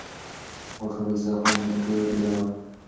غوښه په دسترخوان کې تر ټولو ډېره وه.